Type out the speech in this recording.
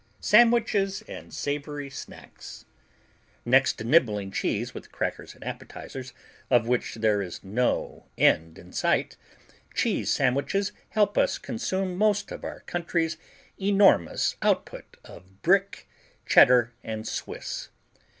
SANDWICHES AND SAVORY SNACKS Next to nibbling cheese with crackers and appetizers, of which there is no end in sight, cheese sandwiches help us consume most of our country's enormous output of Brick, Cheddar and Swiss.